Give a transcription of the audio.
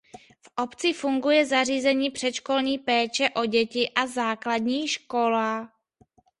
V obci funguje zařízení předškolní péče o děti a základní škola.